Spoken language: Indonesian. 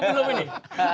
kawinnya aja belum ini